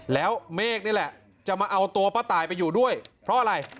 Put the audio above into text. แล้วเมฆนี่แหละจะมาเอาตัวป้าตายไปอยู่ด้วยเพราะอะไร